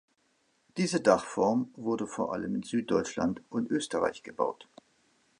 Diese Dachform wurde vor allem in Süddeutschland und Österreich gebaut.